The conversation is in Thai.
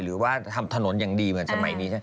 หรือว่าทำถนนอย่างดีเหมือนสมัยนี้ใช่ไหม